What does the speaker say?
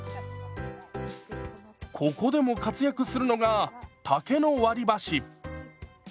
ここでも活躍するのが竹の割り箸。